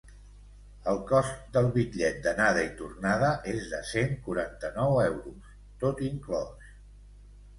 El cost del bitllet d’anada i tornada és de cent quaranta-nou euros, tot inclòs.